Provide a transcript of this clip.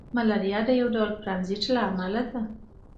ملاریا د یو ډول پرازیت له امله ده